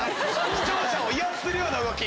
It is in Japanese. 視聴者を威圧するような動き。